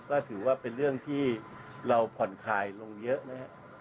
ก็ถือว่าเป็นเรื่องที่เราผ่อนคลายลงเยอะนะครับ